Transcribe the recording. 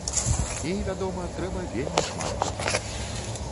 І, вядома, трэба вельмі шмат працаваць.